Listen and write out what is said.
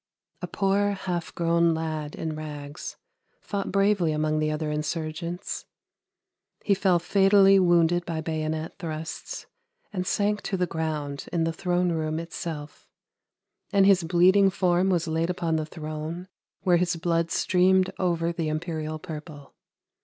A poor half grown lad in rags fought bravely among the other insurgents; he fell fatally wounded by bayonet thrusts, and sank to the ground in the throne room itself, and his bleeding form was laid upon the throne where his blood streamed over the imperial purple!